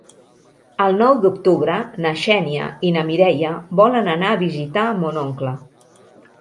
El nou d'octubre na Xènia i na Mireia volen anar a visitar mon oncle.